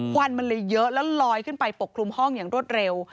วันมันเลยเยอะแล้วลอยขึ้นไปปกคลุมห้องอย่างรวดเร็ว